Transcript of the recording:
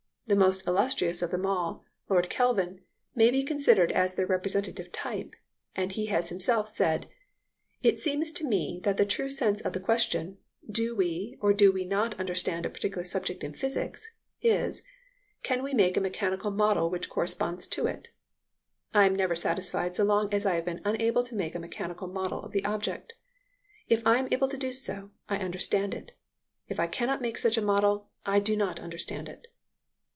The most illustrious of them, Lord Kelvin, may be considered as their representative type, and he has himself said: "It seems to me that the true sense of the question, Do we or do we not understand a particular subject in physics? is Can we make a mechanical model which corresponds to it? I am never satisfied so long as I have been unable to make a mechanical model of the object. If I am able to do so, I understand it. If I cannot make such a model, I do not understand it."